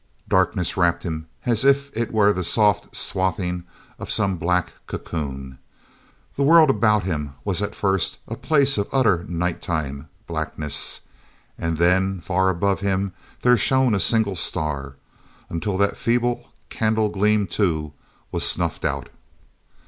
Darkness wrapped him as if it were the soft swathing of some black cocoon. The world about him was at first a place of utter night time blackness; and then, far above him, there shone a single star ... until that feeble candle gleam, too, was snuffed out.